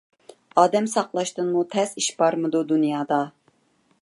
ئادەم ساقلاشتىنمۇ تەس ئىش بارمىدۇ دۇنيادا؟